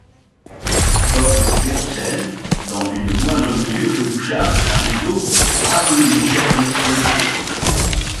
Bob Birdsell, dans une moindre mesure que Bouchard et Parizeau, a une légère notoriété.